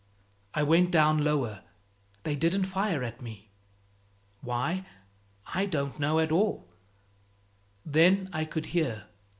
I went down lower; they didn't fire at me. Why? I don't know at all. Then I could hear.